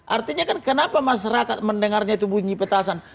artinya kan kenapa masyarakat mendengarnya itu bunyi petasan